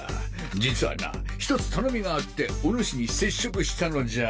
実はな１つ頼みがあってお主に接触したのじゃよ。